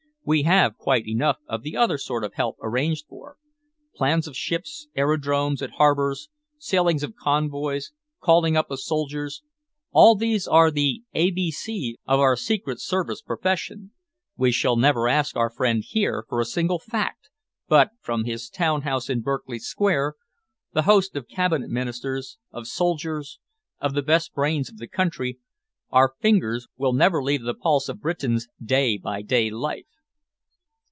We have quite enough of the other sort of help arranged for. Plans of ships, aerodromes and harbours, sailings of convoys, calling up of soldiers all these are the A B C of our secret service profession. We shall never ask our friend here for a single fact, but, from his town house in Berkeley Square, the host of Cabinet Ministers, of soldiers, of the best brains of the country, our fingers will never leave the pulse of Britain's day by day life."